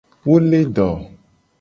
Wo le do.